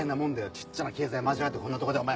ちっちゃな経済回しやがってこんなとこでお前。